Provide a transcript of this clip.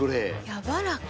やわらか。